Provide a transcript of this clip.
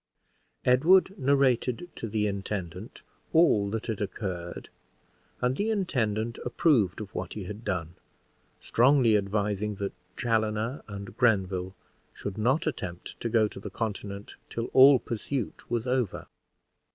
Edward narrated to the intendant all that had occurred, and the intendant approved of what he had done, strongly advising that Chaloner and Grenville should not attempt to go to the Continent till all pursuit was over.